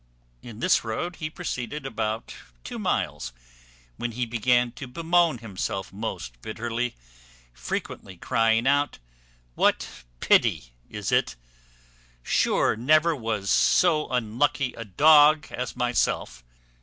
In this road he proceeded about two miles, when he began to bemoan himself most bitterly, frequently crying out, "What pity is it! Sure never was so unlucky a dog as myself!"